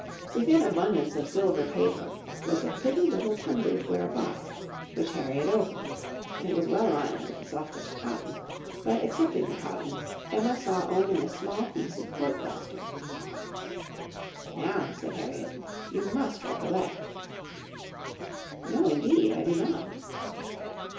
Within abundance of silver paper was a pretty little Tunbridge ware box, which Harriet opened; it was well lined with the softest cotton; but excepting the cotton, Emma saw only a small piece of court plaister. "'Now,' said Harriet, 'you must recollect.' "'No, indeed, I do not.